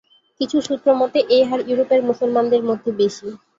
কিছু সূত্র মতে, এই হার ইউরোপের মুসলমানদের মধ্যে বেশি।